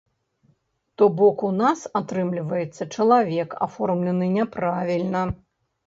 То бок у нас, атрымліваецца, чалавек аформлены няправільна.